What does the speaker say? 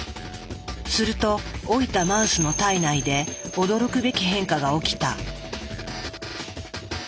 すると老いたマウスの体内で驚くべき変化が起きた。